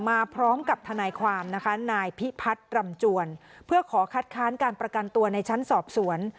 มาพร้อมกับทนายความนะคะนายพิพัฒน์รำจวนเพื่อขอคัดค้านการประกันตัวในชั้นสอบสวน